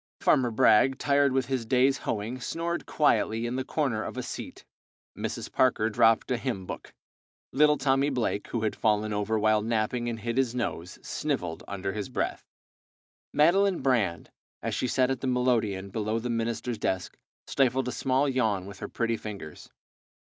Farmer Bragg, tired with his day's hoeing, snored quietly in the corner of a seat. Mrs. Parker dropped a hymn book. Little Tommy Blake, who had fallen over while napping and hit his nose, snivelled under his breath. Madeline Brand, as she sat at the melodeon below the minister's desk, stifled a small yawn with her pretty fingers.